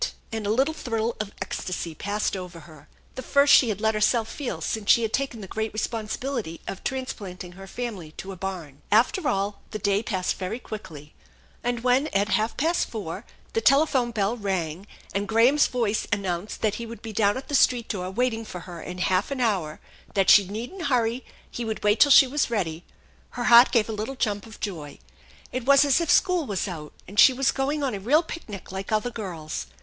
And a little thrill of ecstasy passed over her, the first she had let herself feel since she had taken the great responsibility of transplanting her family to a barn. After all, the day passed very quickly; and, when at half past four the telephone bell rang and Graham's voice an nounced that he would be down at the street door waiting for her in half an hour, that she needn't hurry, he would wait till she was ready, her heart gave a little jump of joy. It was as if school was out and she was going on a real picnic like other girls.